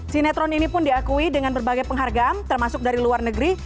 sinetron ini pun diakui dengan berbagai penghargaan termasuk dari luar negeri